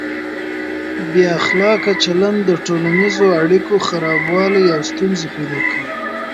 بې اخلاقه چلند د ټولنیزو اړیکو خرابوالی او ستونزې پیدا کوي.